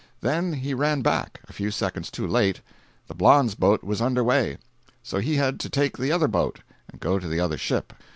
Then he ran back—a few seconds too late—the blonde's boat was under way. So he had to take the other boat, and go to the other ship.